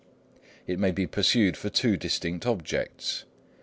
It may be pursued for two distinct objects.